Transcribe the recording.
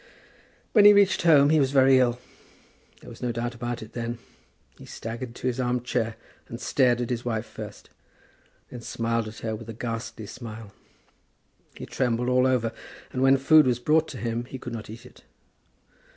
When he reached home, he was very ill. There was no doubt about it then. He staggered to his arm chair, and stared at his wife first, then smiled at her with a ghastly smile. He trembled all over, and when food was brought to him he could not eat it.